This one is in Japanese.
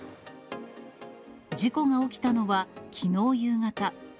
事故が起きたのは、きのう夕方。